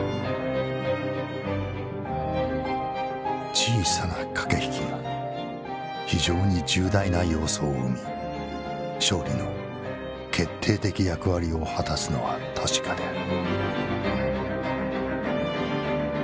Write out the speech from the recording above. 「小さな掛引きが非常に重大な要素を生み勝利の決定的役割を果すのは確かである」。